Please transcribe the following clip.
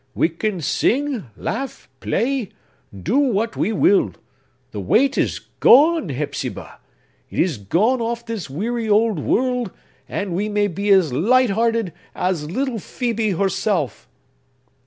—we can sing, laugh, play, do what we will! The weight is gone, Hepzibah! It is gone off this weary old world, and we may be as light hearted as little Phœbe herself."